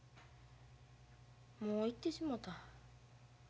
もう行ってしもた。